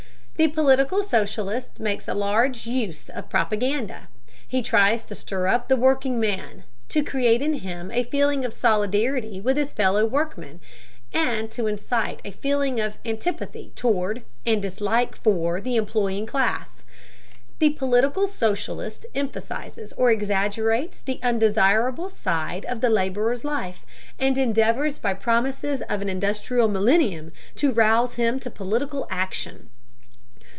The political socialist makes a large use of propaganda. He tries to stir up the workingman, to create in him a feeling of solidarity with his fellow workmen, and to incite a feeling of antipathy toward, and dislike for, the employing class. The political socialist emphasizes or exaggerates the undesirable side of the laborer's life, and endeavors by promises of an industrial millennium to rouse him to political action.